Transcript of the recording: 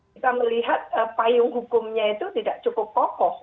kita melihat payung hukumnya itu tidak cukup kokoh